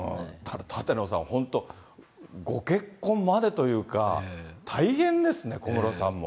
舘野さん、本当、ご結婚までというか、大変ですね、小室さんも。